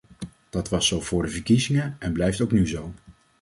Dit was zo voor de verkiezingen en blijft ook nu zo.